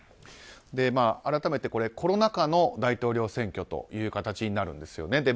改めて、コロナ禍の大統領選挙という形になるんですね。